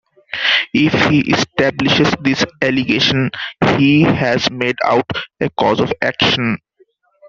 If he establishes this allegation, he has made out a cause of action.